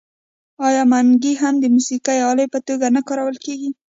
آیا منګی هم د موسیقۍ الې په توګه نه کارول کیږي؟